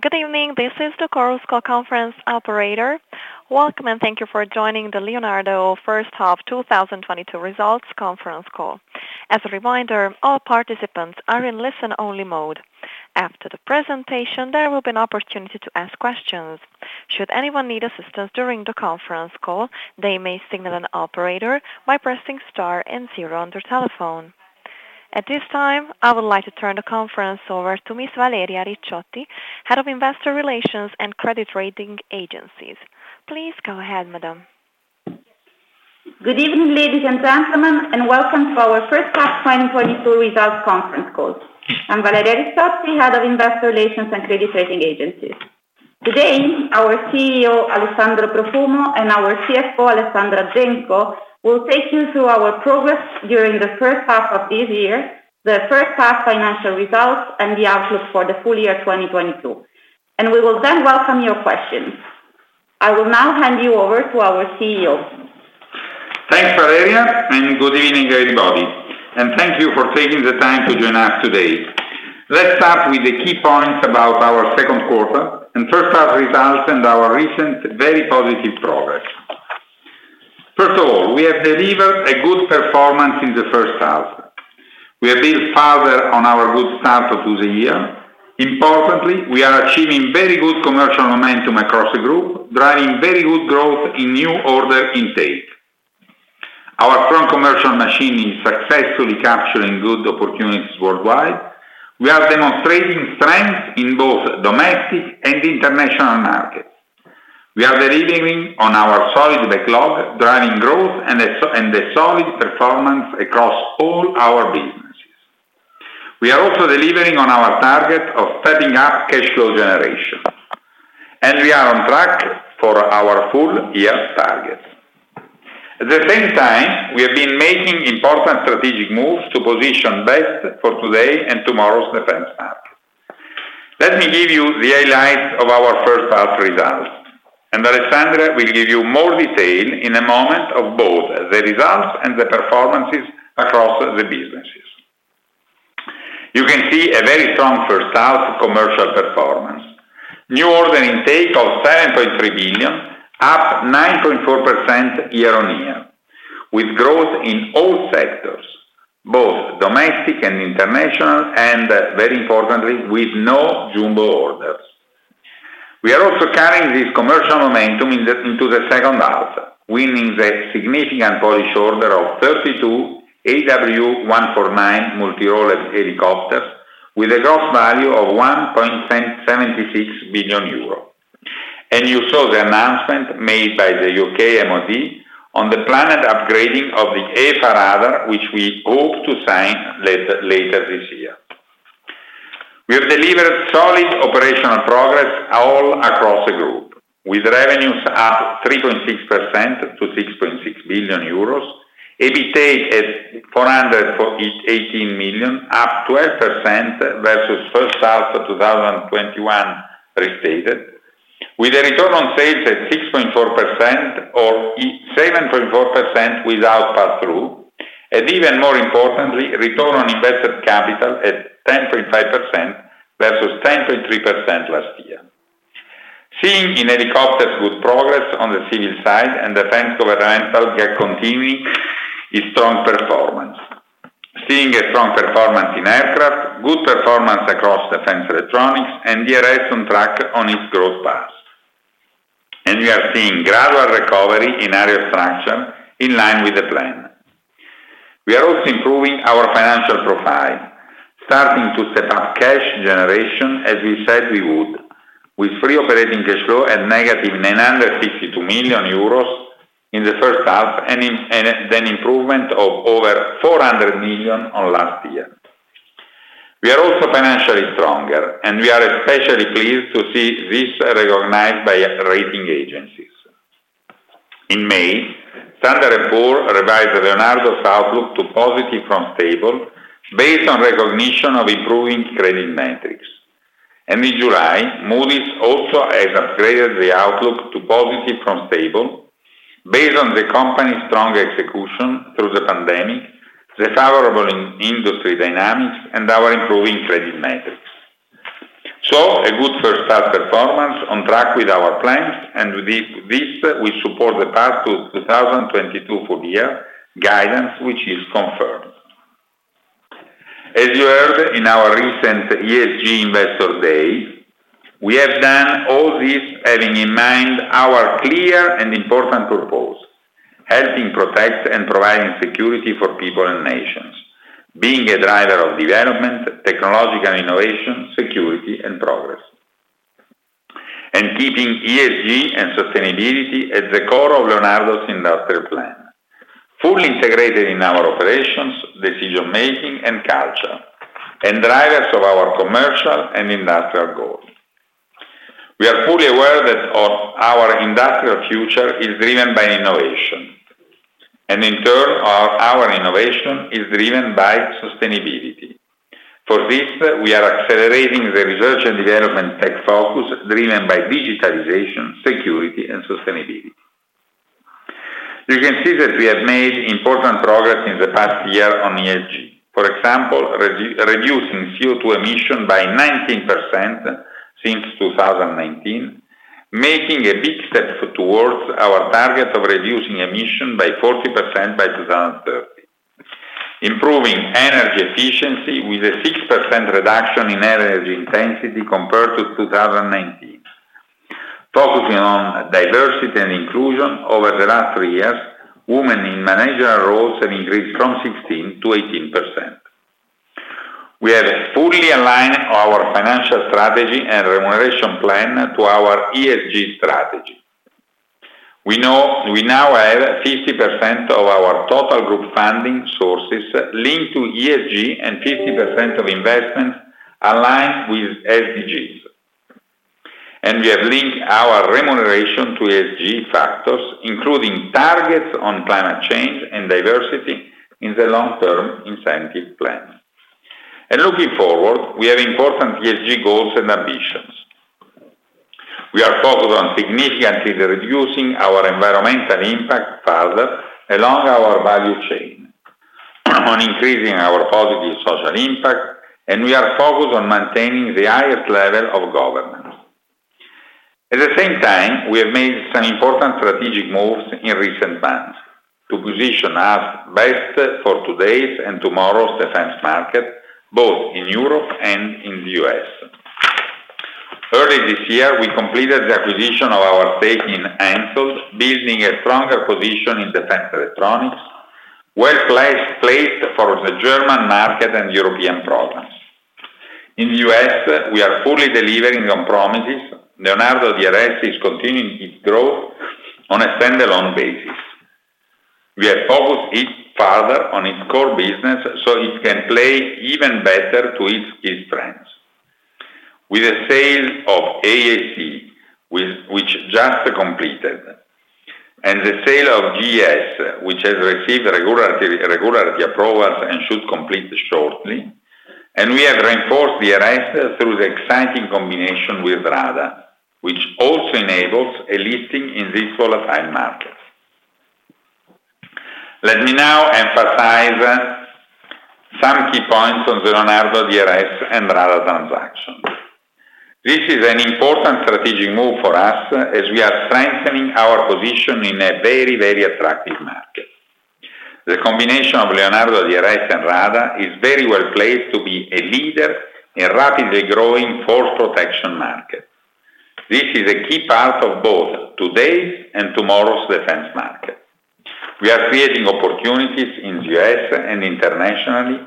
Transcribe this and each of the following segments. Good evening. This is the Chorus Call Conference Operator. Welcome, and thank you for joining the Leonardo First Half 2022 Results Conference Call. As a reminder, all participants are in listen-only mode. After the presentation, there will be an opportunity to ask questions. Should anyone need assistance during the conference call, they may signal an operator by pressing star and zero on their telephone. At this time, I would like to turn the conference over to Miss Valeria Ricciotti, Head of Investor Relations and Credit Rating Agencies. Please go ahead, madam. Good evening, ladies and gentlemen, and welcome to our First Half 2022 Results Conference Call. I'm Valeria Ricciotti, Head of Investor Relations and Credit Rating Agencies. Today, our CEO, Alessandro Profumo, and our CFO, Alessandra Genco, will take you through our progress during the first half of this year, the first half financial results, and the outlook for the full year 2022. We will then welcome your questions. I will now hand you over to our CEO. Thanks, Valeria, and good evening, everybody, and thank you for taking the time to join us today. Let's start with the key points about our second quarter and first half results and our recent very positive progress. First of all, we have delivered a good performance in the first half. We have built further on our good start of the year. Importantly, we are achieving very good commercial momentum across the group, driving very good growth in new order intake. Our strong commercial machine is successfully capturing good opportunities worldwide. We are demonstrating strength in both domestic and international markets. We are delivering on our solid backlog, driving growth and a solid performance across all our businesses. We are also delivering on our target of stepping up cash flow generation, and we are on track for our full-year target. At the same time, we have been making important strategic moves to position best for today and tomorrow's defense map. Let me give you the highlights of our first half results, and Alessandra will give you more detail in a moment of both the results and the performances across the businesses. You can see a very strong first half commercial performance. New order intake of 7.3 billion, up 9.4% year-on-year, with growth in all sectors, both domestic and international, and very importantly, with no jumbo orders. We are also carrying this commercial momentum into the second half, winning the significant Polish order of 32 AW149 multi-role helicopters with a gross value of 1.776 billion euro. You saw the announcement made by the UK MOD on the planned upgrading of the A400, which we hope to sign later this year. We have delivered solid operational progress all across the group, with revenues up 3.6% to 6.6 billion euros, EBITA at 418 million, up 12% versus first half of 2021 restated, with a return on sales at 6.4% or 7.4% without passthrough, and even more importantly, return on invested capital at 10.5% versus 10.3% last year. Seeing in helicopters good progress on the civil side and defence and government sectors continuing a strong performance. Seeing a strong performance in aircraft, good performance across defense electronics, and DRS on track on its growth path. We are seeing gradual recovery in aerial structure in line with the plan. We are also improving our financial profile, starting to step up cash generation as we said we would, with free operating cash flow at -952 million euros in the first half and an improvement of over 400 million on last year. We are also financially stronger, and we are especially pleased to see this recognized by rating agencies. In May, Standard & Poor's revised Leonardo's outlook to positive from stable based on recognition of improving credit metrics. In July, Moody's also has upgraded the outlook to positive from stable based on the company's strong execution through the pandemic, the favorable in-industry dynamics, and our improving credit metrics. A good first half performance on track with our plans, and with this, we support the path to 2022 full year guidance, which is confirmed. As you heard in our recent ESG Investor Day, we have done all this having in mind our clear and important purpose, helping protect and providing security for people and nations, being a driver of development, technological innovation, security and progress, and keeping ESG and sustainability at the core of Leonardo's industrial plan, fully integrated in our operations, decision-making and culture, and drivers of our commercial and industrial goals. We are fully aware that our industrial future is driven by innovation, and in turn, our innovation is driven by sustainability. For this, we are accelerating the research and development tech focus driven by digitalization, security and sustainability. You can see that we have made important progress in the past year on ESG. For example, reducing CO2 emission by 19% since 2019, making a big step towards our target of reducing emission by 40% by 2030. Improving energy efficiency with a 6% reduction in energy intensity compared to 2019. Focusing on diversity and inclusion over the last three years, women in managerial roles have increased from 16% to 18%. We have fully aligned our financial strategy and remuneration plan to our ESG strategy. We now have 50% of our total group funding sources linked to ESG, and 50% of investment aligned with SDGs. We have linked our remuneration to ESG factors, including targets on climate change and diversity in the long term incentive plan. Looking forward, we have important ESG goals and ambitions. We are focused on significantly reducing our environmental impact further along our value chain, on increasing our positive social impact, and we are focused on maintaining the highest level of governance. At the same time, we have made some important strategic moves in recent months to position us best for today's and tomorrow's defense market, both in Europe and in the U.S. Early this year, we completed the acquisition of our stake in Hensoldt, building a stronger position in defense electronics, well-placed for the German market and European programs. In the U.S., we are fully delivering on promises. Leonardo DRS is continuing its growth on a stand-alone basis. We have focused it further on its core business, so it can play even better to its strengths. With the sale of AEC, which just completed, and the sale of GES, which has received regulatory approvals and should complete shortly. We have reinforced DRS through the exciting combination with RADA, which also enables a listing in the U.S. market. Let me now emphasize some key points on the Leonardo DRS and RADA transaction. This is an important strategic move for us as we are strengthening our position in a very, very attractive market. The combination of Leonardo DRS and RADA is very well placed to be a leader in rapidly growing force protection market. This is a key part of both today's and tomorrow's defense market. We are creating opportunities in U.S. and internationally,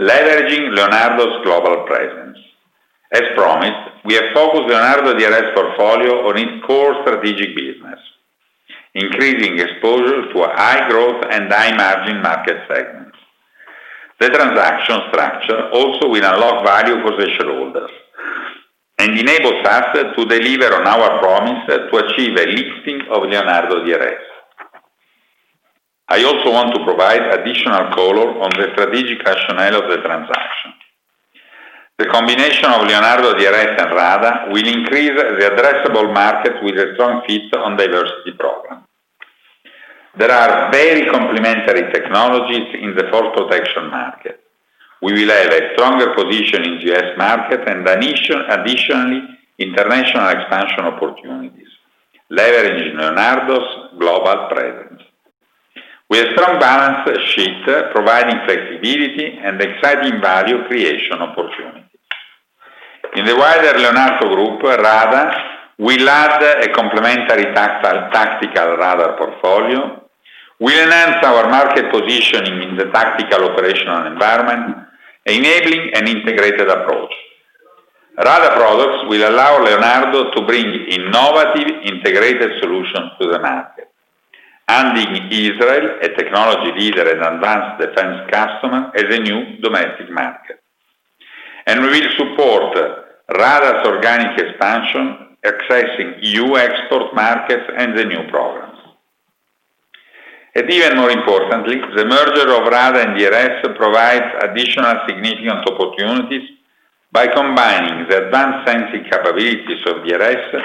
leveraging Leonardo's global presence. As promised, we have focused Leonardo DRS portfolio on its core strategic business, increasing exposure to a high growth and high margin market segments. The transaction structure also will unlock value for shareholders and enables us to deliver on our promise to achieve a listing of Leonardo DRS. I also want to provide additional color on the strategic rationale of the transaction. The combination of Leonardo DRS and RADA will increase the addressable market with a strong fit on diversity program. There are very complementary technologies in the force protection market. We will have a stronger position in U.S. market and additionally, international expansion opportunities, leveraging Leonardo's global presence. We have strong balance sheet, providing flexibility and exciting value creation opportunity. In the wider Leonardo group, RADA will add a complementary tactical radar portfolio, will enhance our market positioning in the tactical operational environment, enabling an integrated approach. RADA products will allow Leonardo to bring innovative, integrated solutions to the market, adding Israel, a technology leader and advanced defense customer, as a new domestic market. We will support RADA's organic expansion, accessing new export markets and the new programs. Even more importantly, the merger of RADA and DRS provides additional significant opportunities by combining the advanced sensing capabilities of DRS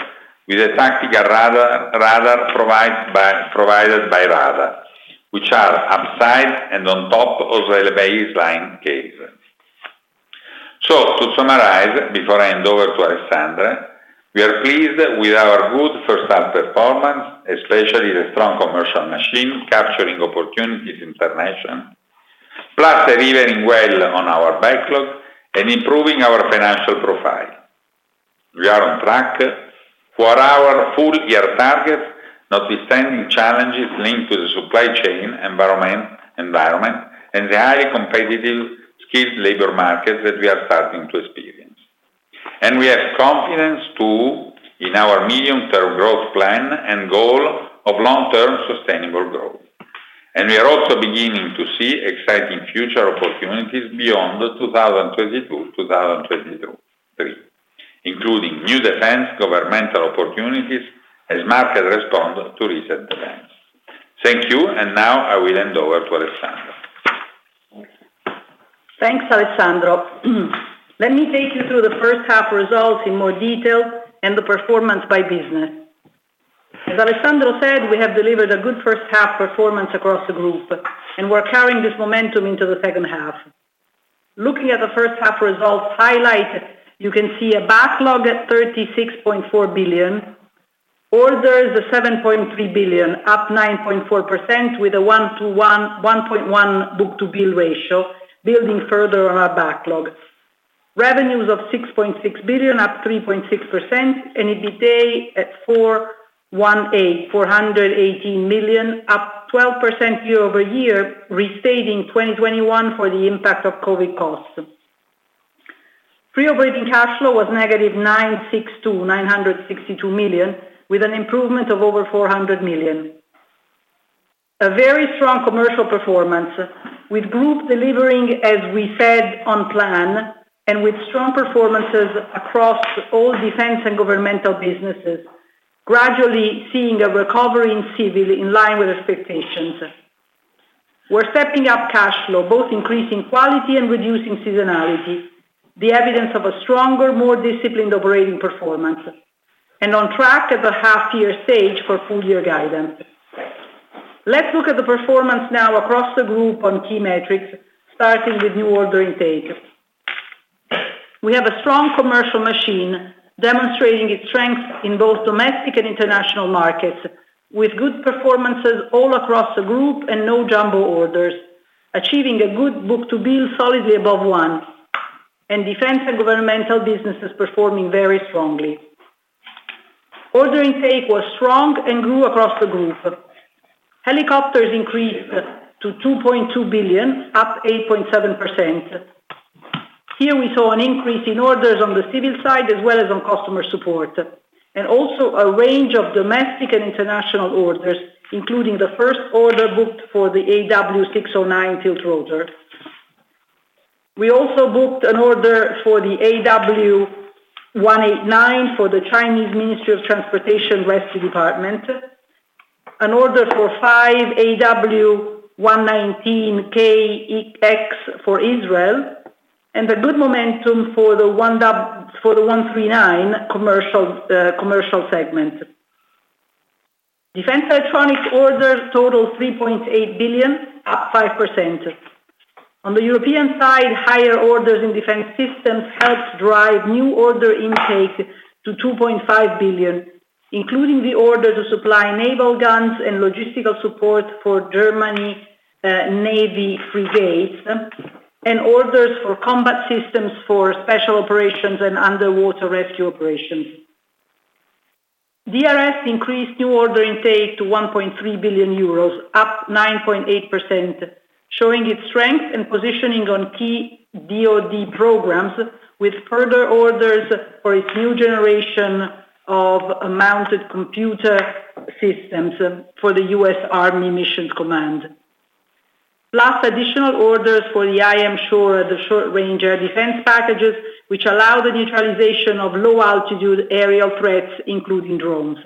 with the tactical radar provided by RADA, which are upside and on top of the baseline case. To summarize, before I hand over to Alessandra Genco, we are pleased with our good first half performance, especially the strong commercial machine capturing opportunities internationally, plus delivering well on our backlog and improving our financial profile. We are on track for our full year targets, notwithstanding challenges linked to the supply chain environment and the highly competitive skilled labor market that we are starting to experience. We have confidence, too, in our medium-term growth plan and goal of long-term sustainable growth. We are also beginning to see exciting future opportunities beyond 2022-2023, including new defense governmental opportunities as markets respond to recent events. Thank you. Now I will hand over to Alessandra. Thanks, Alessandro. Let me take you through the first half results in more detail and the performance by business. As Alessandro said, we have delivered a good first half performance across the group, and we're carrying this momentum into the second half. Looking at the first half results highlighted, you can see a backlog at 36.4 billion. Orders at 7.3 billion, up 9.4% with a 1.1 book-to-bill ratio, building further on our backlog. Revenues of 6.6 billion, up 3.6%, and EBITDA at 418 million, up 12% year-over-year, restating 2021 for the impact of COVID costs. Free operating cash flow was -962 million, with an improvement of over 400 million. A very strong commercial performance, with group delivering, as we said, on plan and with strong performances across all defense and governmental businesses, gradually seeing a recovery in civil in line with expectations. We're stepping up cash flow, both increasing quality and reducing seasonality, the evidence of a stronger, more disciplined operating performance, and on track at the half year stage for full year guidance. Let's look at the performance now across the group on key metrics, starting with new order intake. We have a strong commercial machine demonstrating its strength in both domestic and international markets, with good performances all across the group and no jumbo orders, achieving a good book-to-bill solidly above one, and defense and governmental businesses performing very strongly. Order intake was strong and grew across the group. Helicopters increased to 2.2 billion, up 8.7%. We saw an increase in orders on the civil side as well as on customer support, and also a range of domestic and international orders, including the first order booked for the AW609 tiltrotor. We also booked an order for the AW189 for the Rescue and Salvage Bureau of the Ministry of Transport, an order for five AW119Kx for Israel, and a good momentum for the AW139 commercial segment. Defense electronics orders total 3.8 billion, up 5%. On the European side, higher orders in defense systems helped drive new order intake to 2.5 billion, including the order to supply naval guns and logistical support for German Navy frigates, and orders for combat systems for special operations and underwater rescue operations. DRS increased new order intake to 1.3 billion euros, up 9.8%, showing its strength and positioning on key DoD programs with further orders for its new generation of mounted computer systems for the U.S. Army Mission Command. Additional orders for the IM-SHORAD, the short-range defense packages, which allow the neutralization of low-altitude aerial threats, including drones.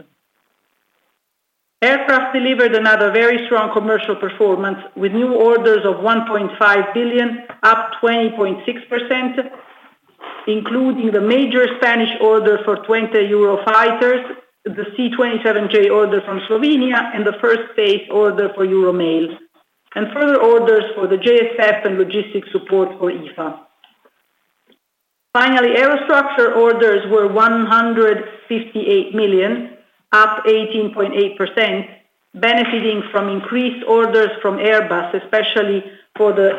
Aircraft delivered another very strong commercial performance with new orders of 1.5 billion, up 20.6%, including the major Spanish order for 20 Eurofighters, the C-27J order from Slovenia, and the first baseline order for Eurodrone, and further orders for the JSF and logistics support for IFTS. Finally, Aerostructures orders were 158 million, up 18.8%, benefiting from increased orders from Airbus, especially for the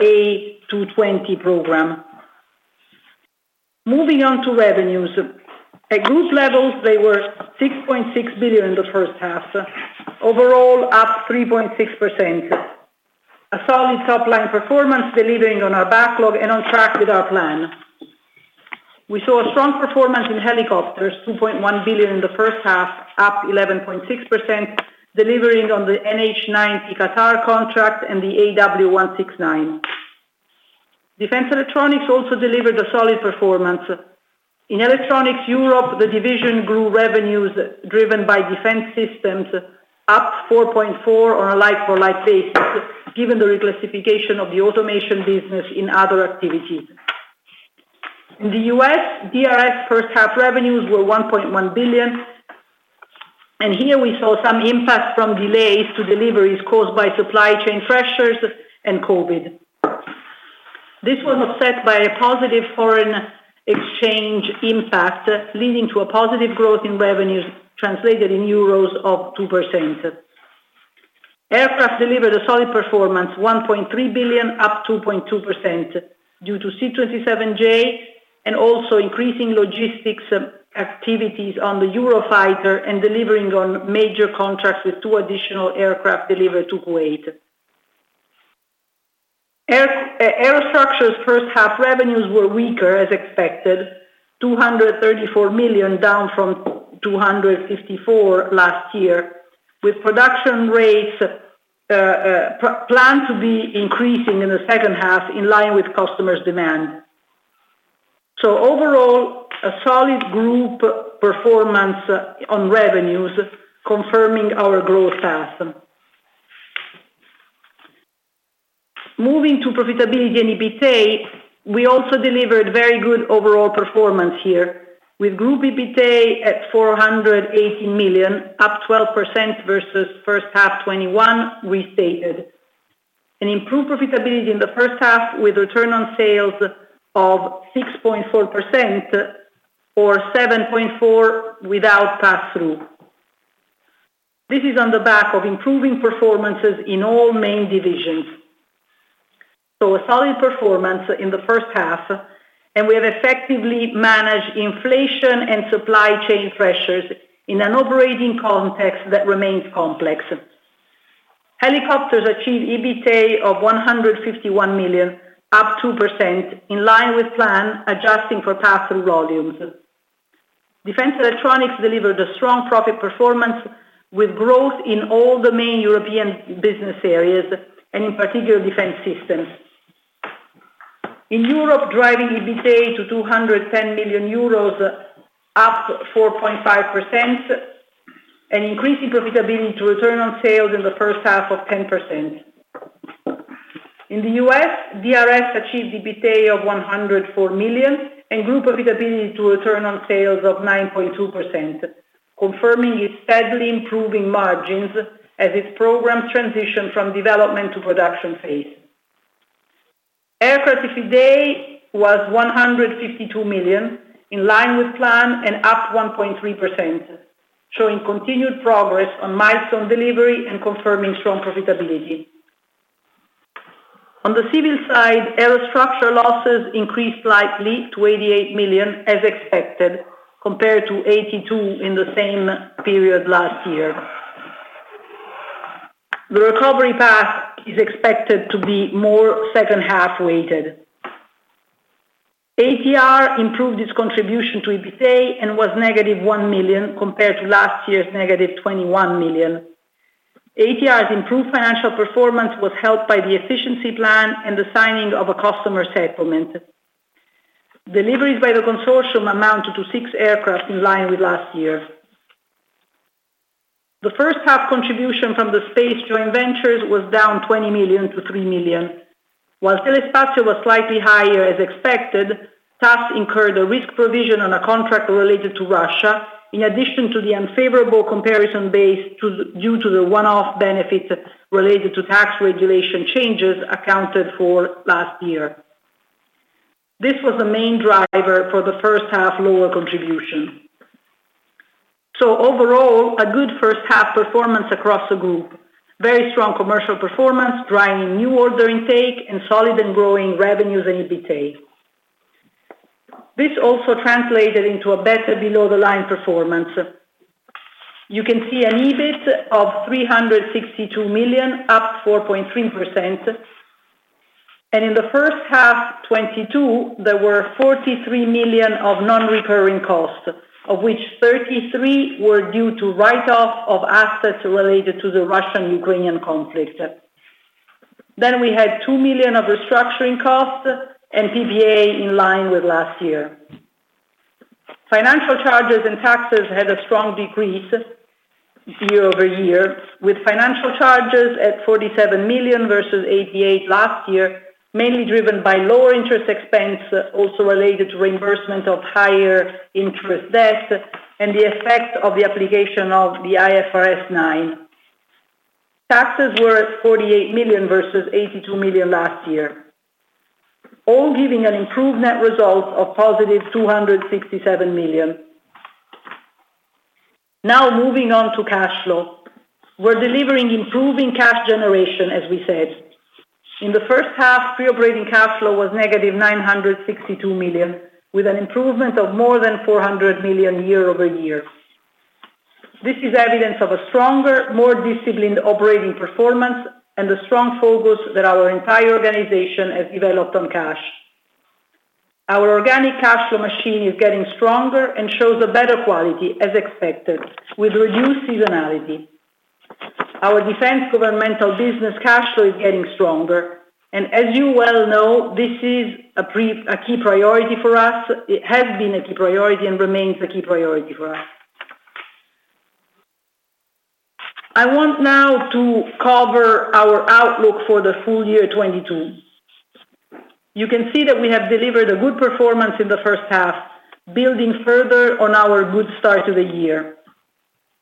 A220 program. Moving on to revenues. At group levels, they were 6.6 billion the first half, overall up 3.6%. A solid top-line performance delivering on our backlog and on track with our plan. We saw a strong performance in helicopters, 2.1 billion in the first half, up 11.6%, delivering on the NH90 Qatar contract and the AW169. Defense electronics also delivered a solid performance. In electronics Europe, the division grew revenues driven by defense systems, up 4.4% on a like-for-like basis, given the reclassification of the automation business in other activities. In the U.S., DRS first half revenues were 1.1 billion, and here we saw some impact from delays to deliveries caused by supply chain pressures and COVID. This was offset by a positive foreign exchange impact, leading to a positive growth in revenues translated in euros of 2%. Aircraft delivered a solid performance, 1.3 billion, up 2.2% due to C-27J and also increasing logistics activities on the Eurofighter and delivering on major contracts with two additional aircraft delivered to Kuwait. Aerostructures' first half revenues were weaker as expected, 234 million, down from 254 million last year, with production rates plan to be increasing in the second half in line with customers' demands. Solid group performance on revenues confirming our growth path. Moving to profitability and EBITA, we also delivered very good overall performance here. With group EBITA at 480 million, up 12% versus first half 2021 restated. An improved profitability in the first half with return on sales of 6.4% or 7.4% without passthrough. This is on the back of improving performances in all main divisions. A solid performance in the first half, and we have effectively managed inflation and supply chain pressures in an operating context that remains complex. Helicopters achieve EBITA of 151 million, up 2% in line with plan, adjusting for pass-through volumes. Defense electronics delivered a strong profit performance with growth in all the main European business areas, and in particular defense systems. In Europe, driving EBITA to 210 million euros, up 4.5%, and increasing profitability to return on sales in the first half of 10%. In the U.S., DRS achieved EBITA of 104 million, and group profitability to return on sales of 9.2%, confirming its steadily improving margins as its programs transition from development to production phase. Aircraft EBITA was 152 million, in line with plan and up 1.3%, showing continued progress on milestone delivery and confirming strong profitability. On the civil side, Aerostructures losses increased slightly to 88 million as expected, compared to 82 million in the same period last year. The recovery path is expected to be more second half-weighted. ATR improved its contribution to EBITA and was negative 1 million compared to last year's negative 21 million. ATR's improved financial performance was helped by the efficiency plan and the signing of a customer settlement. Deliveries by the consortium amounted to six aircraft in line with last year. The first half contribution from the space joint ventures was down 20 million to 3 million. While Thales Alenia Space was slightly higher as expected, Thales incurred a risk provision on a contract related to Russia, in addition to the unfavorable comparison base due to the one-off benefits related to tax regulation changes accounted for last year. This was the main driver for the first half lower contribution. Overall, a good first half performance across the group. Very strong commercial performance, driving new order intake and solid and growing revenues and EBITA. This also translated into a better below-the-line performance. You can see an EBIT of 362 million, up 4.3%. In the first half 2022, there were 43 million of non-recurring costs, of which 33 were due to write-off of assets related to the Russian-Ukrainian conflict. We had 2 million of restructuring costs and PPA in line with last year. Financial charges and taxes had a strong decrease year-over-year, with financial charges at 47 million versus 88 million last year, mainly driven by lower interest expense, also related to reimbursement of higher interest debt and the effect of the application of the IFRS nine. Taxes were 48 million versus 82 million last year, all giving an improved net result of positive 267 million. Now moving on to cash flow. We're delivering improving cash generation, as we said. In the first half, pre-operating cash flow was negative 962 million, with an improvement of more than 400 million year-over-year. This is evidence of a stronger, more disciplined operating performance and a strong focus that our entire organization has developed on cash. Our organic cash flow machine is getting stronger and shows a better quality, as expected, with reduced seasonality. Our defense governmental business cash flow is getting stronger, and as you well know, this is a key priority for us. It has been a key priority and remains a key priority for us. I want now to cover our outlook for the full year 2022. You can see that we have delivered a good performance in the first half, building further on our good start to the year.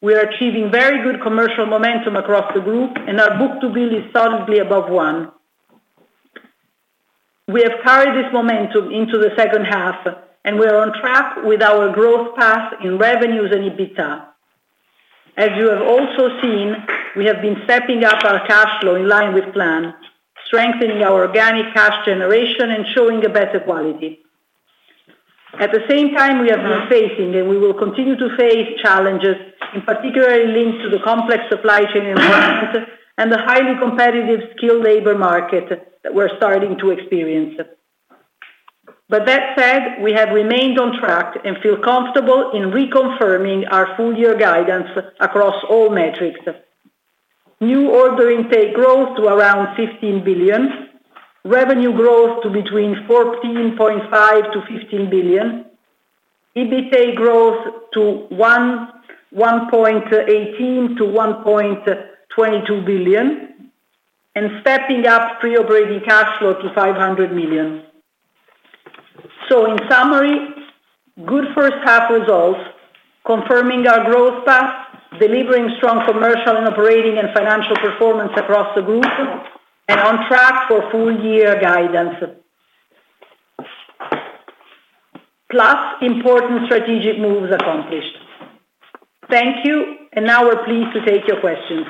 We are achieving very good commercial momentum across the group, and our book-to-bill is solidly above one. We have carried this momentum into the second half, and we are on track with our growth path in revenues and EBITDA. As you have also seen, we have been stepping up our cash flow in line with plan, strengthening our organic cash generation and showing a better quality. At the same time, we have been facing, and we will continue to face challenges, in particular linked to the complex supply chain environment and the highly competitive skilled labor market that we're starting to experience. That said, we have remained on track and feel comfortable in reconfirming our full-year guidance across all metrics. New orders intake growth to around 15 billion. Revenue growth to between 14.5 billion to 15 billion. EBITA growth to 1.18 billion to 1.22 billion. Stepping up free operating cash flow to 500 million. In summary, good first half results, confirming our growth path, delivering strong commercial and operating and financial performance across the group, and on track for full year guidance. Plus important strategic moves accomplished. Thank you. Now we're pleased to take your questions.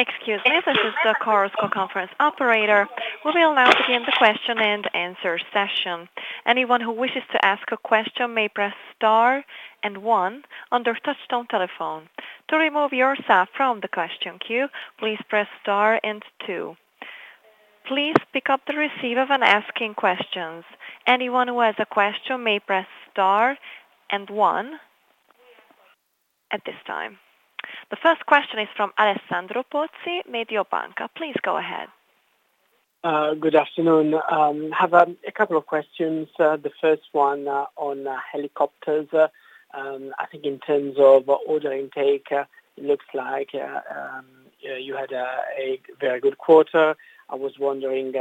Excuse me, this is the conference call operator. We will now begin the question and answer session. Anyone who wishes to ask a question may press star and one on their touchtone telephone. To remove yourself from the question queue, please press star and two. Please pick up the receiver when asking questions. Anyone who has a question may press star and one at this time. The first question is from Alessandro Pozzi, Mediobanca. Please go ahead. Good afternoon. Have a couple of questions. The first one on helicopters. I think in terms of order intake, it looks like you had a very good quarter. I was wondering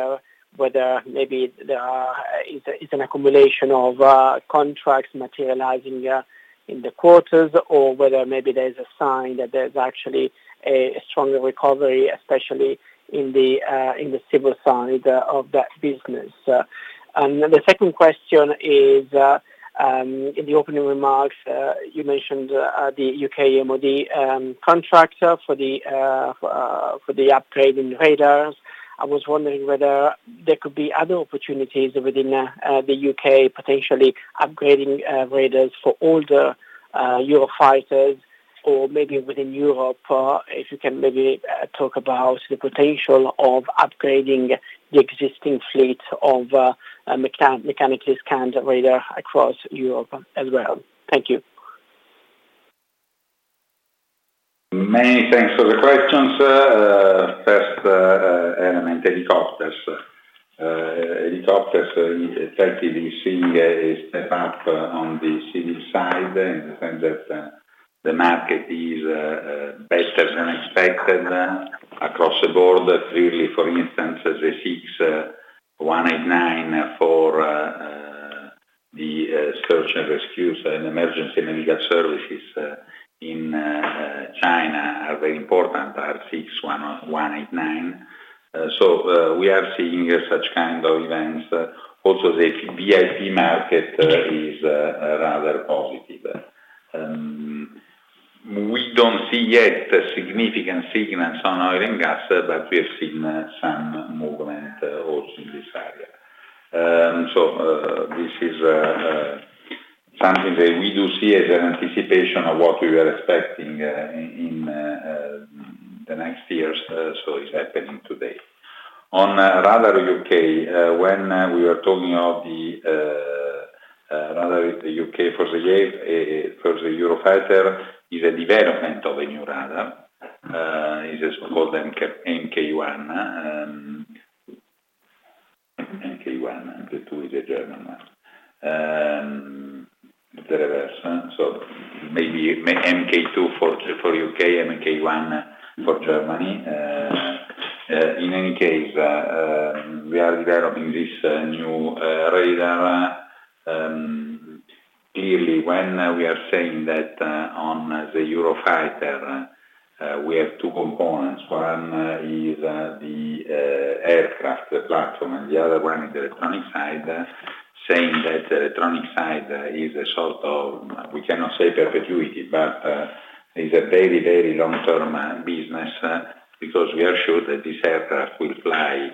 whether maybe it's an accumulation of contracts materializing in the quarters, or whether maybe there's a sign that there's actually a stronger recovery, especially in the civil side of that business. The second question is in the opening remarks, you mentioned the UK MOD contract for the upgrade in radars. I was wondering whether there could be other opportunities within the UK potentially upgrading radars for older Eurofighters, or maybe within Europe, if you can maybe talk about the potential of upgrading the existing fleet of mechanically scanned radar across Europe as well. Thank you. Many thanks for the questions. First, element, helicopters. Helicopters, effectively seeing a step up on the civil side in the sense that, the market is, better than expected across the board. Clearly, for instance, the AW189 for, the, search and rescues and emergency medical services, in, China are very important, AW189. So, we are seeing such kind of events. Also, the VIP market, is, rather positive. We don't see yet significant signals on oil and gas, but we have seen some movement also in this area. So, this is, something that we do see as an anticipation of what we are expecting, in, the next years, so is happening today. On radar U.K., when we are talking of the radar UK for the Eurofighter, it is a development of a new radar. It is called Mk1, and the two is a German one. The reverse. So maybe Mk2 for U.K., Mk1 for Germany. In any case, we are developing this new radar. Clearly, when we are saying that, on the Eurofighter, we have two components. One is the aircraft platform, and the other one is the electronic side. Saying that the electronic side is a sort of, we cannot say perpetuity, but is a very, very long-term business because we are sure that this aircraft will fly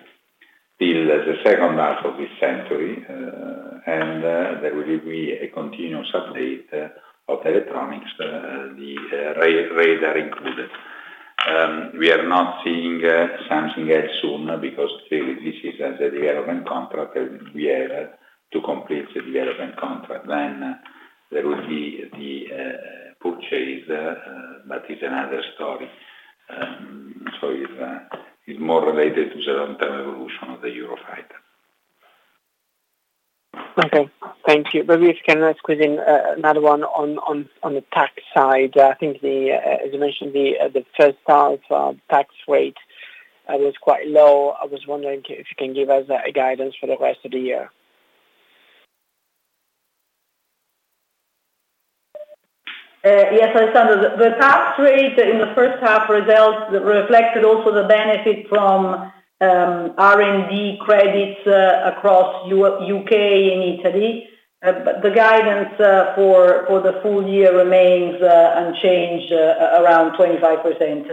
till the second half of this century and there will be a continuous update of electronics, the radar included. We are not seeing something else soon because clearly this is a development contract, and we are to complete the development contract. Then there will be the purchase, but it's another story. It's more related to the long-term evolution of the Eurofighter. Okay. Thank you. Maybe if I can squeeze in another one on the tax side. I think as you mentioned, the first half tax rate was quite low. I was wondering if you can give us a guidance for the rest of the year. Yes, Alessandro. The tax rate in the first half results reflected also the benefit from R&D credits across U.K. and Italy. The guidance for the full year remains unchanged around 25%.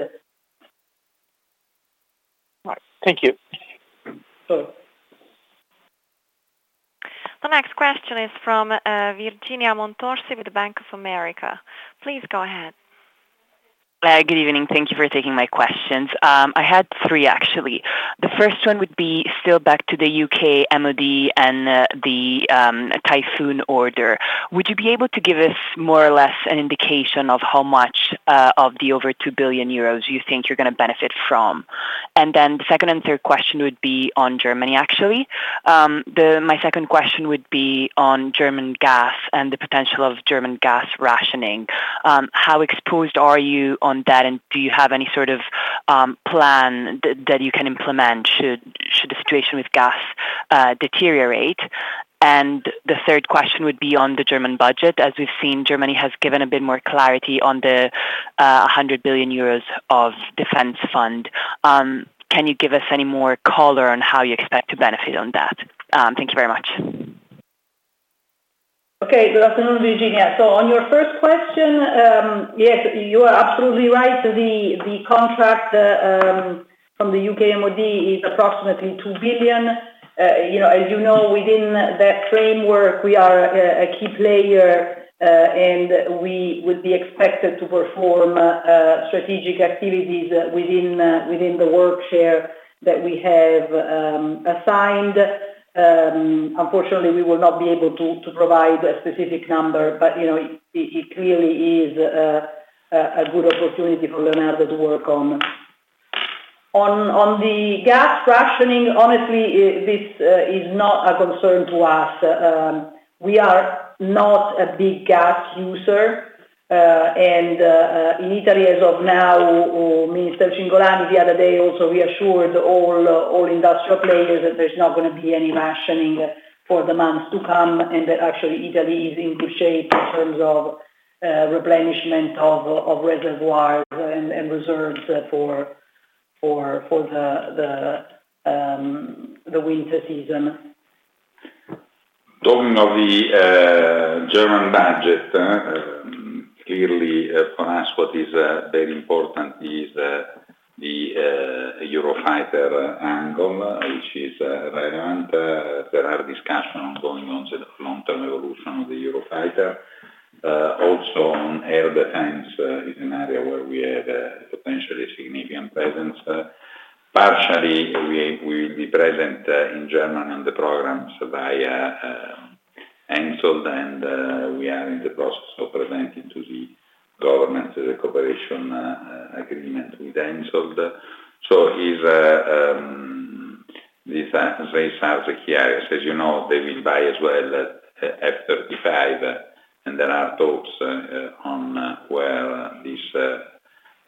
All right. Thank you. Sure. The next question is from, Virginia Montorsi with Bank of America. Please go ahead. Good evening. Thank you for taking my questions. I had three, actually. The first one would be still back to the UK MOD and the Typhoon order. Would you be able to give us more or less an indication of how much of the over 2 billion euros you think you're gonna benefit from? The second and third question would be on Germany, actually. My second question would be on German gas and the potential of German gas rationing. How exposed are you on that, and do you have any sort of plan that you can implement should the situation with gas deteriorate? The third question would be on the German budget. As we've seen, Germany has given a bit more clarity on the 100 billion euros of defense fund. Can you give us any more color on how you expect to benefit on that? Thank you very much. Good afternoon, Virginia. On your first question, yes, you are absolutely right. The contract from the UK MOD is approximately 2 billion. You know, as you know, within that framework, we are a key player, and we would be expected to perform strategic activities within the work share that we have assigned. Unfortunately, we will not be able to provide a specific number, but you know, it clearly is a good opportunity for Leonardo to work on. On the gas rationing, honestly, this is not a concern to us. We are not a big gas user. In Italy as of now, Minister Cingolani the other day also reassured all industrial players that there's not gonna be any rationing for the months to come, and that actually Italy is in good shape in terms of replenishment of reservoirs and reserves for the winter season. Talking of the German budget, clearly for us, what is very important is the Eurofighter angle, which is relevant. There are discussions ongoing on the long-term evolution of the Eurofighter. Also on air defense is an area where we have a potentially significant presence. Partially, we will be present in Germany on the programs via Hensoldt, and we are in the process of presenting to the government the cooperation agreement with Hensoldt. These are the key areas. As you know, they will buy as well F-35, and there are talks on where this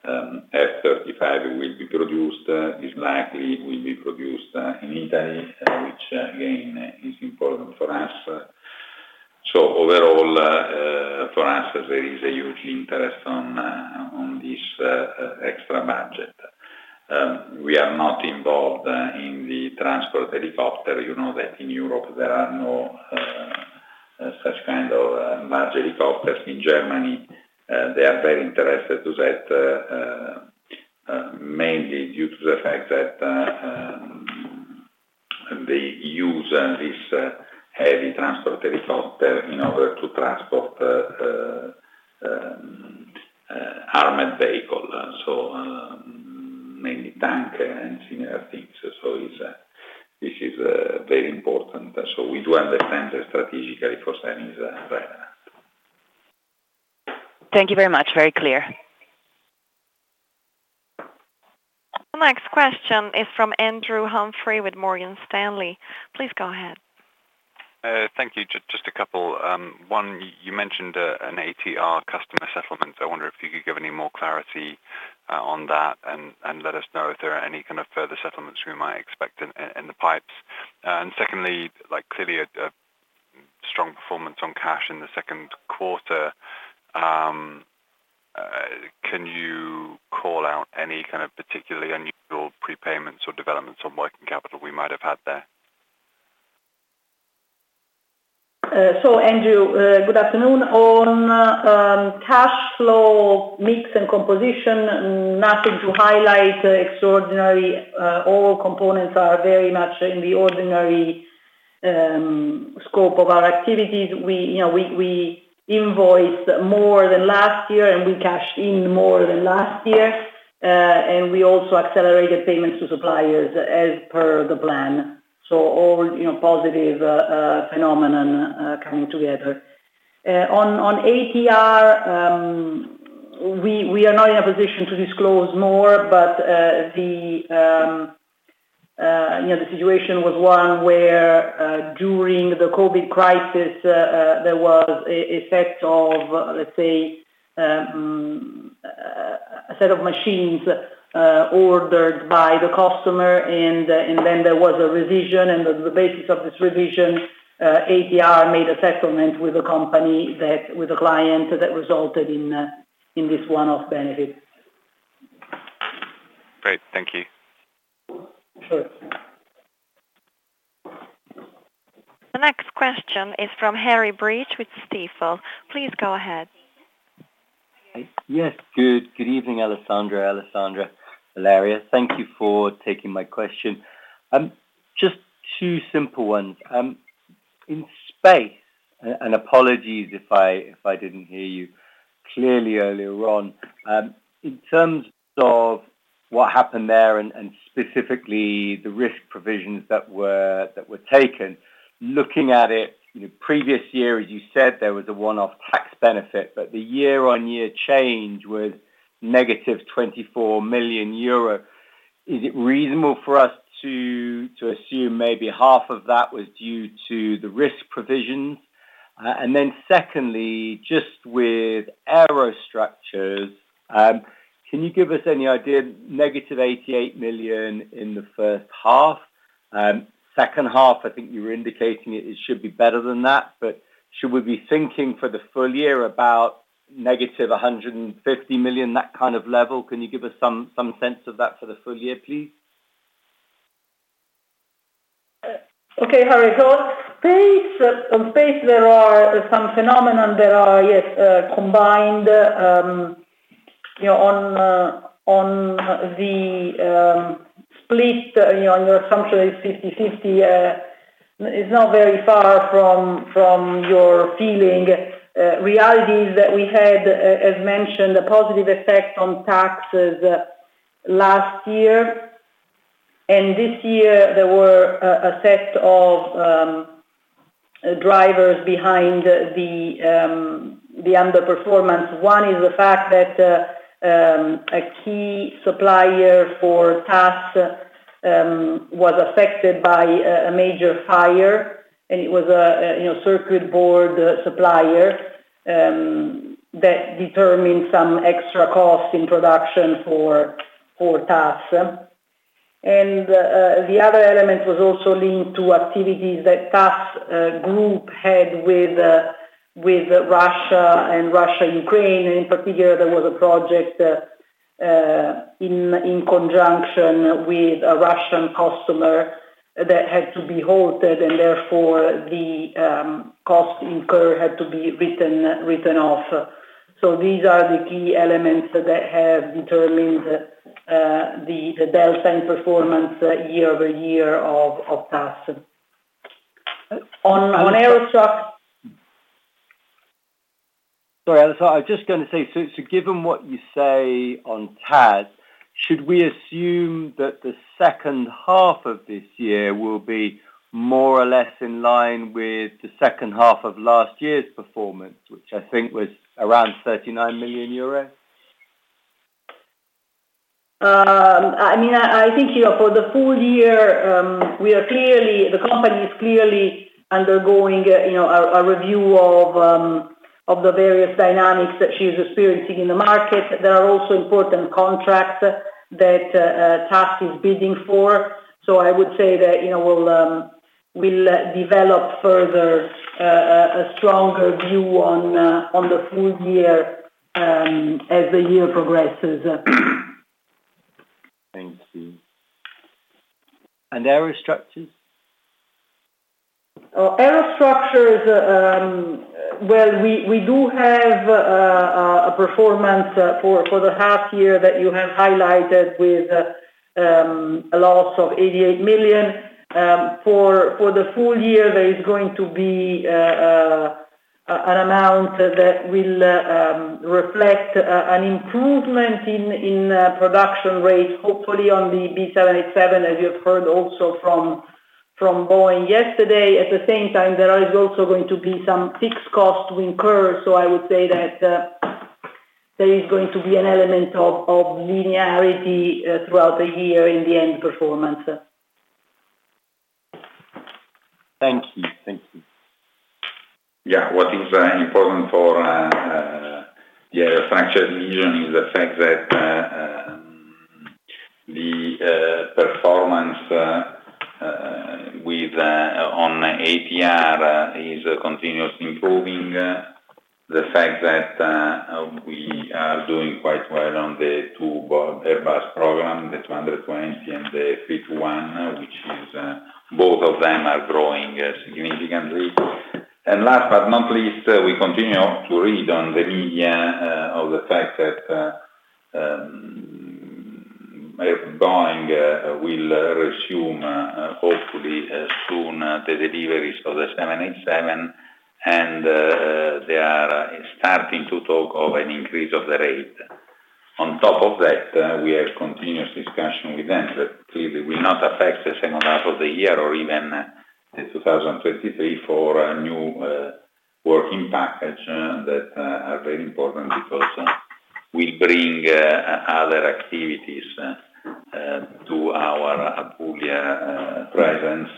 F-35 will be produced. It likely will be produced in Italy, which again is important for us. Overall, for us, there is a huge interest on this extra budget. We are not involved in the transport helicopter. You know that in Europe there are no such kind of large helicopters. In Germany, they are very interested in that mainly due to the fact that they use this heavy transport helicopter in order to transport armored vehicles. Mainly tanks and similar things. This is very important. We do understand that strategically for them is relevant. Thank you very much. Very clear. The next question is from Andrew Humphrey with Morgan Stanley. Please go ahead. Thank you. Just a couple. One, you mentioned an ATR customer settlement. I wonder if you could give any more clarity on that and let us know if there are any kind of further settlements we might expect in the pipeline. Secondly, like, clearly a strong performance on cash in the second quarter. Can you call out any kind of particularly unusual prepayments or developments on working capital we might have had there? Andrew, good afternoon. On cash flow mix and composition, nothing to highlight extraordinary. All components are very much in the ordinary scope of our activities. You know, we invoiced more than last year, and we cashed in more than last year. We also accelerated payments to suppliers as per the plan. All, you know, positive phenomenon coming together. On ATR, we are not in a position to disclose more, but, you know, the situation was one where, during the COVID crisis, there was a set of, let's say, machines ordered by the customer, and then there was a revision, and the basis of this revision, ATR made a settlement with the client that resulted in this one-off benefit. Great. Thank you. Sure. The next question is from Harry Breach with Stifel. Please go ahead. Yes. Good. Good evening, Alessandra. Alessandra, Valeria. Thank you for taking my question. Just two simple ones. In space, and apologies if I didn't hear you clearly earlier on. In terms of what happened there and specifically the risk provisions that were taken, looking at it, you know, previous year, as you said, there was a one-off tax benefit, but the year-on-year change was negative 24 million euro. Is it reasonable for us to assume maybe half of that was due to the risk provision? And then secondly, just with aerostructures, can you give us any idea negative 88 million in the first half? Second half, I think you were indicating it should be better than that, but should we be thinking for the full year about negative 150 million, that kind of level? Can you give us some sense of that for the full year, please? Okay, Harry. Space, on space, there are some phenomena that are, yes, combined, you know, on the split, you know, on your assumption is 50/50. It's not very far from your feeling. Reality is that we had, as mentioned, a positive effect on taxes last year, and this year there were a set of drivers behind the underperformance. One is the fact that a key supplier for TAS was affected by a major fire, and it was a circuit board supplier that determined some extra costs in production for TAS. The other element was also linked to activities that TAS group had with Russia and Ukraine. In particular, there was a project in conjunction with a Russian customer that had to be halted, and therefore the cost incurred had to be written off. These are the key elements that have determined the delta in performance year-over-year of TAS. On aero struct- Sorry, Alessandra Genco. I was just gonna say, so given what you say on TAS, should we assume that the second half of this year will be more or less in line with the second half of last year's performance, which I think was around 39 million euros? I mean, I think, you know, for the full year, the company is clearly undergoing a, you know, a review of the various dynamics that she's experiencing in the market. There are also important contracts that TAS is bidding for. I would say that, you know, we'll develop further a stronger view on the full year as the year progresses. Thank you. Aerostructures? Aerostructures, well, we do have a performance for the half year that you have highlighted with a loss of 88 million. For the full year, there is going to be an amount that will reflect an improvement in production rates, hopefully on the B787, as you have heard also from Boeing yesterday. At the same time, there is also going to be some fixed costs to incur. I would say that there is going to be an element of linearity throughout the year in the end performance. Thank you. Thank you. Yeah. What is important for the aerostructures division is the fact that the performance on ATR is continuously improving. The fact that we are doing quite well on the two Airbus programs, the A220 and the A321, which both of them are growing significantly. Last but not least, we continue to read in the media of the fact that Boeing will resume, hopefully, soon the deliveries of the B787, and they are starting to talk of an increase of the rate. On top of that, we have continuous discussion with them, that clearly will not affect the second half of the year or even the 2023 for a new working package that are very important because we bring other activities to our Apulia presence.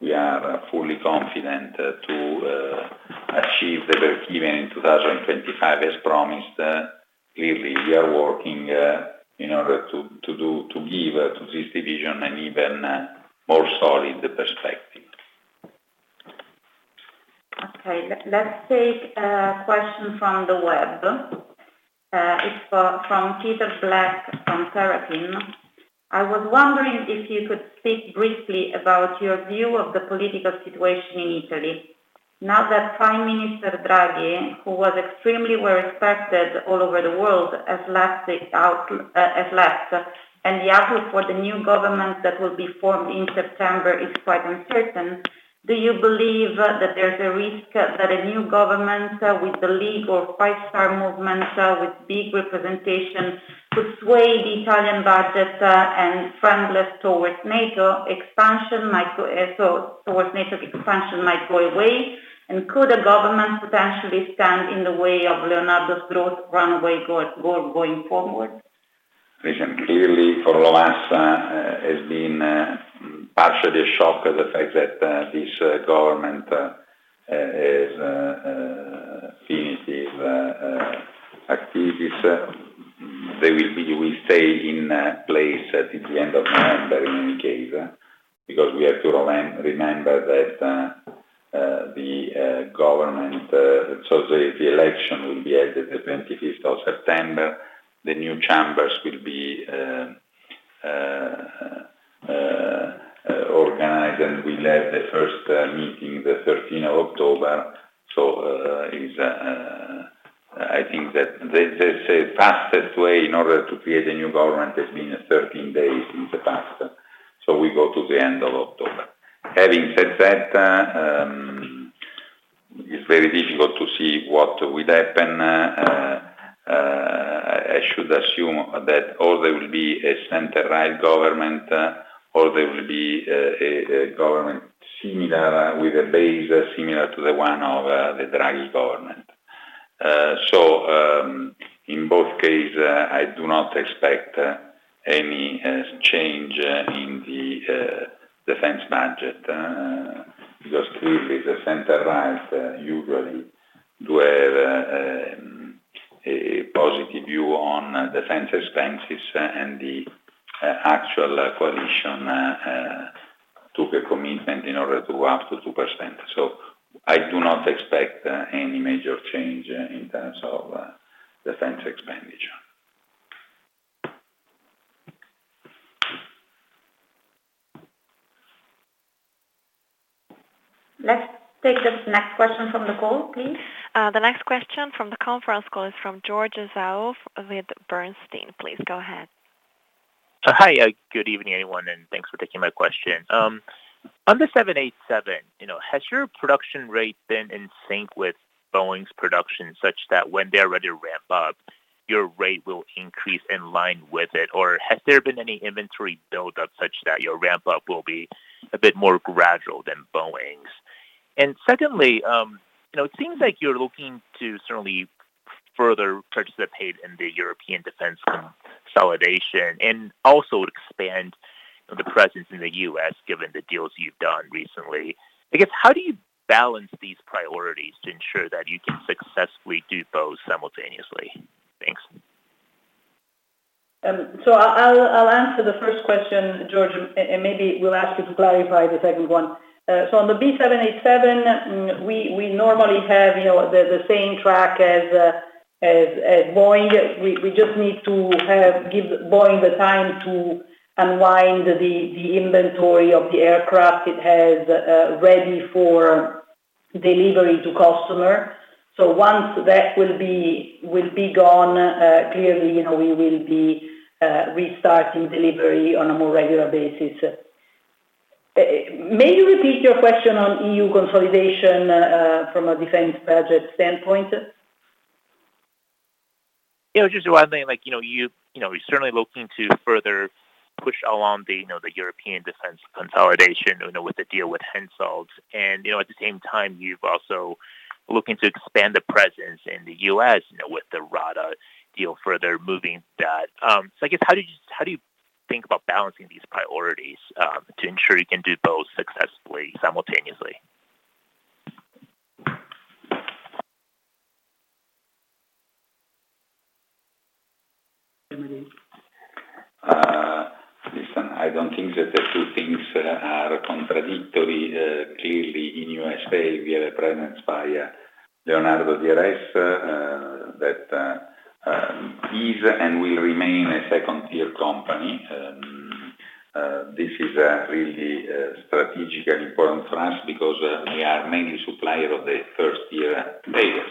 We are fully confident to achieve the break even in 2025 as promised. Clearly, we are working in order to give to this division an even more solid perspective. Okay. Let's take a question from the web. It's from Peter Black from Seraphim. I was wondering if you could speak briefly about your view of the political situation in Italy. Now that Prime Minister Draghi, who was extremely well respected all over the world, has left, and the outlook for the new government that will be formed in September is quite uncertain. Do you believe that there's a risk that a new government with the Lega or Five Star Movement with big representation could sway the Italian budget, and friendliness towards NATO expansion might go away? Could a government potentially stand in the way of Leonardo's growth runway going forward? Recently, for us, has been partially a shock at the fact that this government finishes activities. They will stay in place at the end of November in any case, because we have to remember that the government so the election will be at the 25th of September. The new chambers will be organized, and will have the first meeting the 13th of October. I think that the fastest way in order to create a new government has been 13 days in the past. We go to the end of October. Having said that, it's very difficult to see what will happen. I should assume that or there will be a center-right government, or there will be a government similar with a base similar to the one of the Draghi government. In both cases, I do not expect any change in the defense budget, because clearly the center-right usually do have a positive view on defense expenses, and the actual coalition took a commitment in order to go up to 2%. I do not expect any major change in terms of defense expenditure. Let's take the next question from the call, please. The next question from the conference call is from George Zhao with Bernstein. Please go ahead. Hi, good evening, everyone, and thanks for taking my question. On the 787, you know, has your production rate been in sync with Boeing's production, such that when they're ready to ramp up, your rate will increase in line with it? Or has there been any inventory buildup such that your ramp up will be a bit more gradual than Boeing's? Secondly, you know, it seems like you're looking to certainly further participate in the European defense consolidation and also expand the presence in the U.S., given the deals you've done recently. I guess, how do you balance these priorities to ensure that you can successfully do both simultaneously? Thanks. I'll answer the first question, George, and maybe we'll ask you to clarify the second one. On the B787, we normally have, you know, the same track as Boeing. We just need to give Boeing the time to unwind the inventory of the aircraft it has ready for delivery to customer. Once that will be gone, clearly, you know, we will be restarting delivery on a more regular basis. May you repeat your question on EU consolidation from a defense budget standpoint? Yeah, just one thing, like, you know, you know, you're certainly looking to further push along the, you know, the European defense consolidation, you know, with the deal with Hensoldt. You know, at the same time, you've also looking to expand the presence in the US, you know, with the RADA deal further moving that. So I guess, how do you think about balancing these priorities, to ensure you can do both successfully, simultaneously? Listen, I don't think that the two things are contradictory. Clearly in U.S., we have a presence via Leonardo DRS, that is and will remain a second-tier company. This is really strategically important for us because we are mainly supplier of the first-tier players,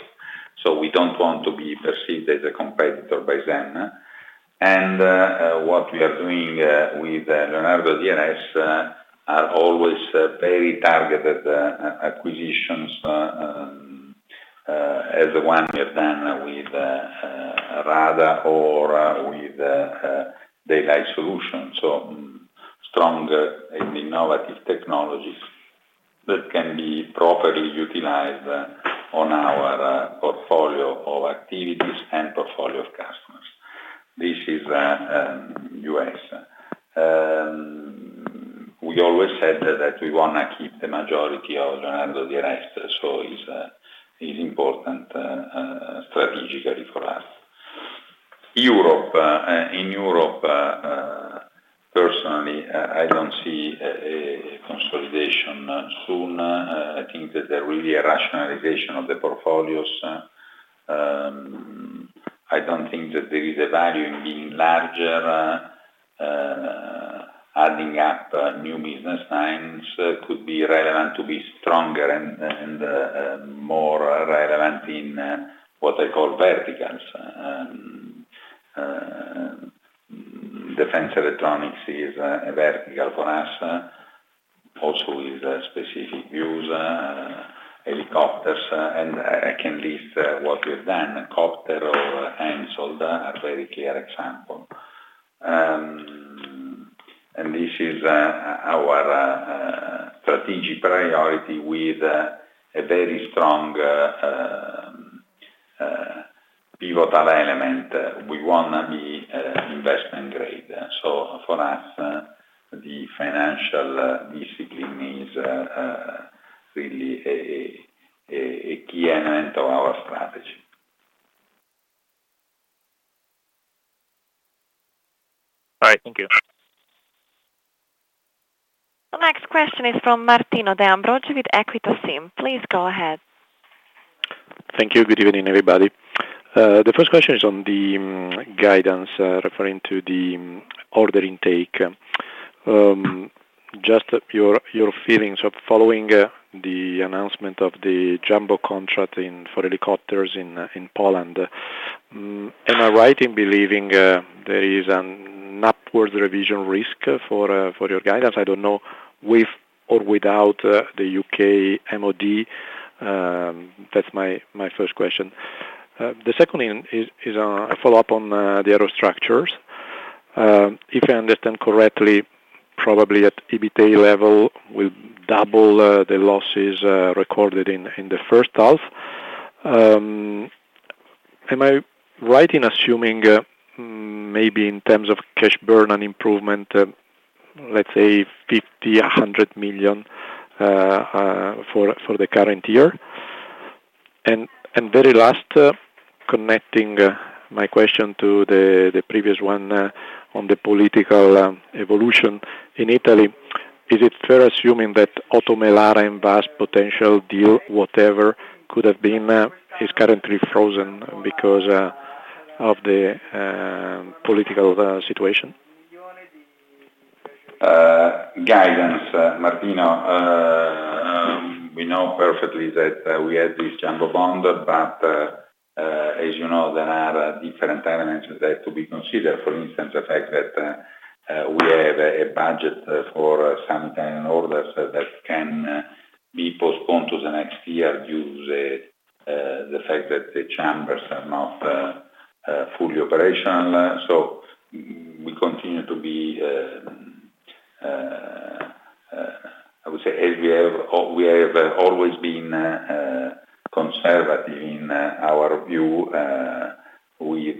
so we don't want to be perceived as a competitor by them. What we are doing with Leonardo DRS are always very targeted acquisitions, as the one we have done with RADA or with Daylight Solutions. Stronger and innovative technologies that can be properly utilized on our portfolio of activities and portfolio of customers. This is U.S. We always said that we want to keep the majority of Leonardo DRS, so it is important strategically for us. In Europe, personally, I don't see a consolidation soon. I think that there really is a rationalization of the portfolios. I don't think that there is a value in being larger. Adding up new business lines could be relevant to be stronger and more relevant in what I call verticals. Defense electronics is a vertical for us. Also with specific verticals, helicopters, and I can list what we've done. Kopter or Hensoldt are very clear example. This is our strategic priority with a very strong pivotal element. We want to be investment grade. For us, the financial discipline is really a key element of our strategy. All right, thank you. The next question is from Martino De Ambrogi with Equita SIM. Please go ahead. Thank you. Good evening, everybody. The first question is on the guidance, referring to the order intake. Just your feelings following the announcement of the jumbo contract for helicopters in Poland. Am I right in believing there is an upwards revision risk for your guidance? I don't know, with or without the UK MOD, that's my first question. The second is a follow-up on the aerostructures. If I understand correctly, probably at EBITA level, we double the losses recorded in the first half. Am I right in assuming maybe in terms of cash burn and improvement, let's say 50 million, 100 million for the current year? Very last, connecting my question to the previous one on the political evolution in Italy, is it fair assuming that Oto Melara and WASS potential deal, whatever could have been, is currently frozen because of the political situation? Guidance, Martino, we know perfectly that we had this jumbo bond, but as you know, there are different elements that have to be considered, for instance, the fact that we have a budget for some time orders that can be postponed to the next year due to the fact that the chambers are not fully operational. We continue to be, I would say, as we have always been, conservative in our view with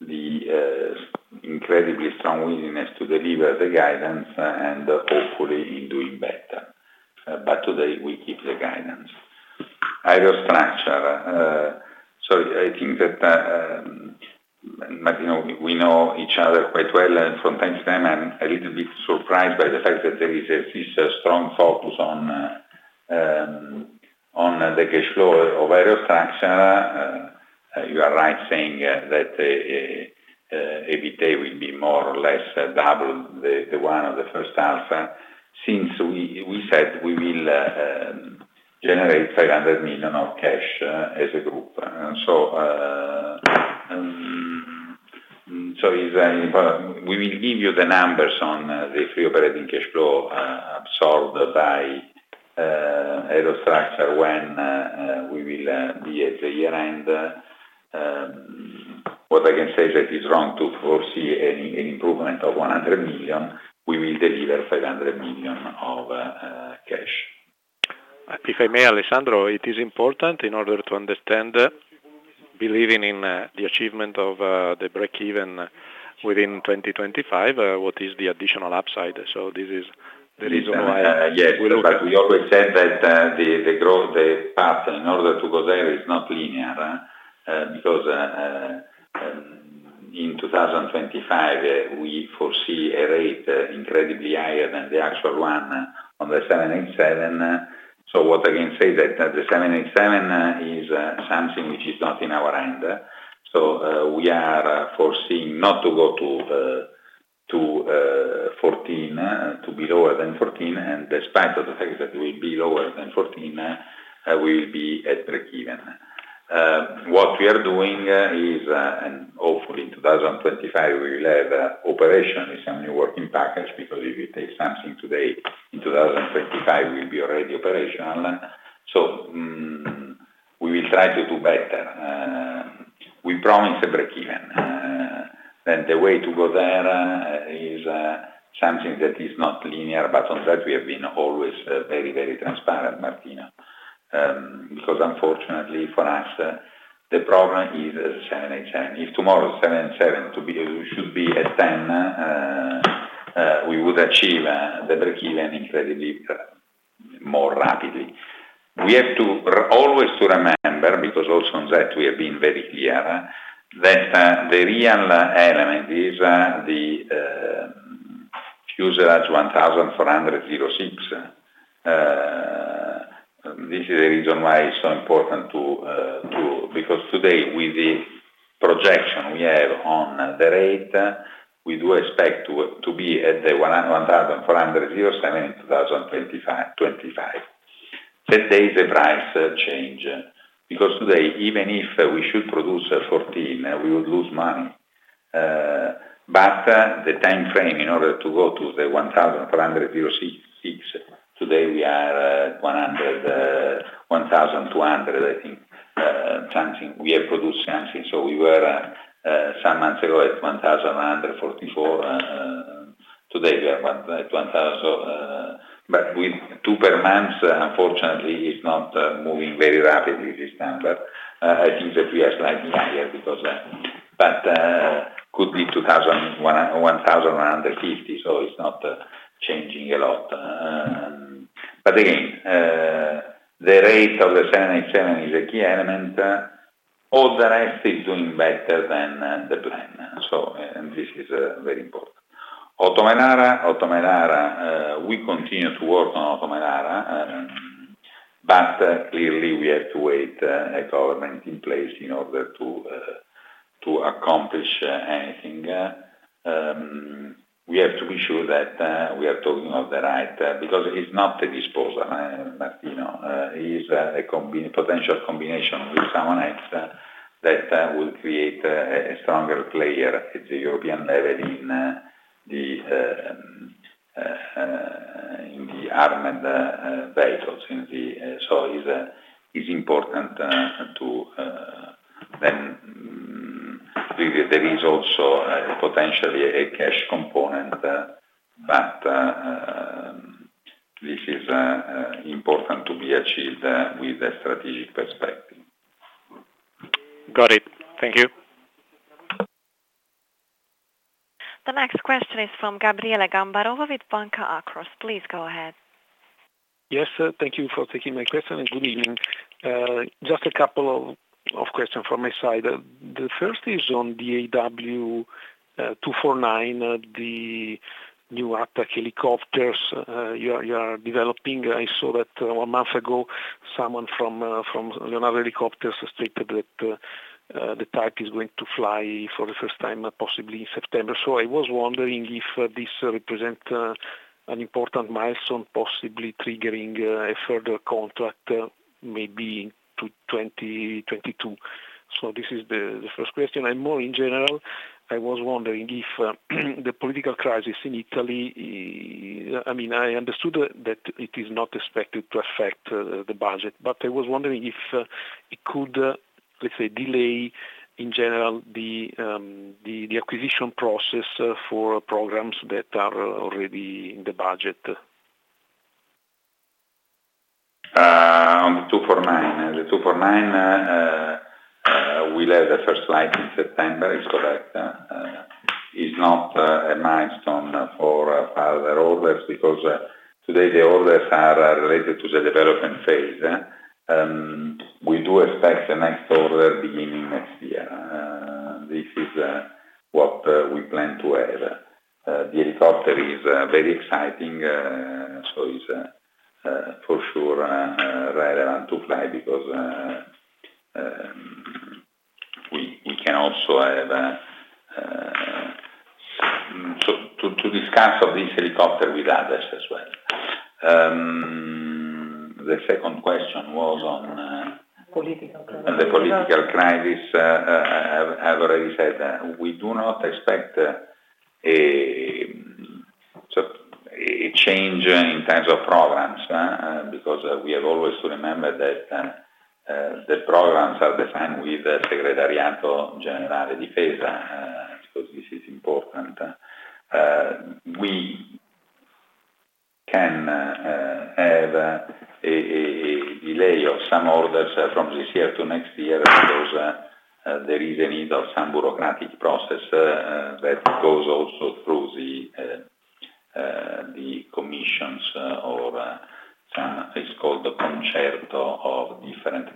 the incredibly strong willingness to deliver the guidance and hopefully in doing better. Today we keep the guidance. Aerostructures. I think that, Martino, we know each other quite well, and from time to time, I'm a little bit surprised by the fact that there is this strong focus on the cash flow of Aerostructures. You are right saying that EBITA will be more or less double the one of the first half. Since we said we will generate 500 million of cash as a group. We will give you the numbers on the free operating cash flow absorbed by Aerostructures when we will be at the year-end. What I can say that is wrong to foresee an improvement of 100 million, we will deliver 500 million of cash. If I may, Alessandro, it is important in order to understand, believing in, the achievement of, the breakeven within 2025, what is the additional upside? This is the reason why I Yes. We always said that the growth, the path in order to go there is not linear, because in 2025, we foresee a rate incredibly higher than the actual one on the 787. What I can say that the 787 is something which is not in our hand. We are foreseeing not to go to 14, to be lower than 14. Despite the fact that we'll be lower than 14, we will be at breakeven. What we are doing is hopefully in 2025, we will have operations and new work package, because if you take something today, in 2025, we'll already be operational. We will try to do better. We promise breakeven. The way to go there is something that is not linear, but on that we have been always very transparent, Martino. Because unfortunately for us, the problem is B787. If tomorrow B787 should be at 10, we would achieve the break even incredibly more rapidly. We have to always remember, because also on that we have been very clear, that the real element is the fuselage unit #1406. This is the reason why it's so important to. Because today with the projection we have on the rate, we do expect to be at the fuselage unit #1407 in 2025. That day the price change. Because today, even if we should produce 14, we would lose money. The time frame in order to go to the 1,406, today we are at 1,200, I think. We have produced something, so we were some months ago at 1,144. Today we are 1,000. But with two per month, unfortunately, it's not moving very rapidly this number. I think that we are slightly higher, but could be 1,150. It's not changing a lot. Again, the rate of the 787 is a key element. All the rest is doing better than the plan. This is very important. Oto Melara, we continue to work on Oto Melara. Clearly we have to wait for a government in place in order to accomplish anything. We have to be sure that we are talking of the right because it's not a disposal, but you know, is a potential combination with someone else that will create a stronger player at the European level in the armed vehicles. It's important. There is also potentially a cash component, but this is important to be achieved with a strategic perspective. Got it. Thank you. The next question is from Gabriele Gambarova with Banca Akros. Please go ahead. Yes, thank you for taking my question, and good evening. Just a couple of question from my side. The first is on the AW249, the new attack helicopters you are developing. I saw that a month ago, someone from Leonardo Helicopters stated that the type is going to fly for the first time, possibly in September. I was wondering if this represent an important milestone, possibly triggering a further contract, maybe to 2022. This is the first question. More in general, I was wondering if the political crisis in Italy. I mean, I understood that it is not expected to affect the budget, but I was wondering if it could, let's say, delay, in general, the acquisition process for programs that are already in the budget? On the AW249. The AW249, we'll have the first flight in September. It's correct. It's not a milestone for further orders, because today the orders are related to the development phase. We do expect the next order beginning next year. This is what we plan to have. The helicopter is very exciting. It's for sure relevant to fly because we can also have to discuss of this helicopter with others as well. The second question was on political crisis. The political crisis. I've already said that we do not expect a change in terms of programs because we have always to remember that the programs are defined with Segretariato Generale della Difesa because this is important. We can have a delay of some orders from this year to next year because there is a need of some bureaucratic process that goes also through the commissions or something is called concerto of different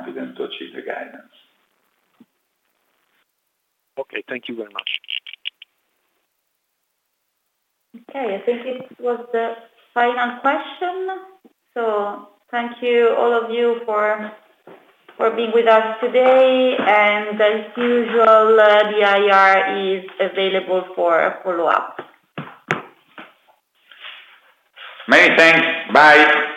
ministers. We are in continuous touch with the ministries involved, mainly the defense minister and the industry minister in order to understand what could be considered as ordinary administration, ordinary course of business and what is not. Today what I said very clear is that we confirm the guidance, so we are fully confident to achieve the guidance. Okay, thank you very much. Okay, I think this was the final question. Thank you all of you for being with us today. As usual, the IR is available for a follow-up. Many thanks. Bye.